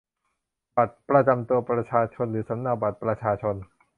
บัตรประจำตัวประชาชนหรือสำเนาบัตรประชาชน